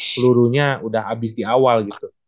seluruhnya udah habis di awal gitu